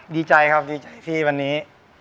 ดีใจครับดีใจที่วันนี้